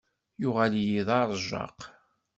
Yuɣal-iyi d aṛejjaq.